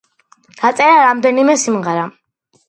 დაწერა რამდენიმე სიმღერა.